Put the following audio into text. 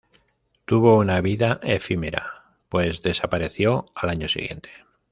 Tuvo una vida efímera pues desapareció al año siguiente.